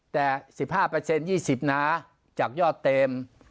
แต่๑๕เปอร์เซ็นต์๒๐นะจากยอดเต็ม